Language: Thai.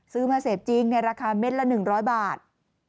มาเสพจริงในราคาเม็ดละ๑๐๐บาท